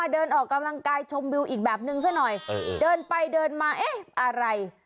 เดินไปเดินมาเอ๊ะอะไร